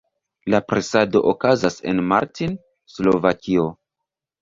La presado okazas en Martin, Slovakio.